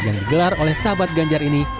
yang digelar oleh sahabat ganjar ini